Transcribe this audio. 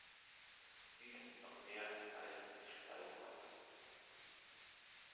Dies und noch mehr leisten die Splay-Bäume.